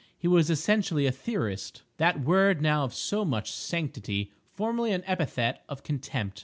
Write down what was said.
He was essentially a "theorist"—that word now of so much sanctity, formerly an epithet of contempt.